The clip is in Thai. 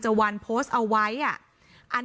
หนูจะให้เขาเซอร์ไพรส์ว่าหนูเก่ง